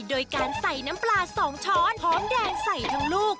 โดยการใส่น้ำปลา๒ช้อนหอมแดงใส่ทั้งลูก